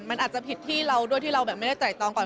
มันอาจจะผิดที่เราด้วยที่เราแบบไม่ได้ไตรตองก่อน